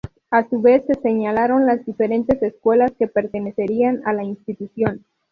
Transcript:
A su vez, se señalaron las diferentes escuelas que pertenecerían a la institución.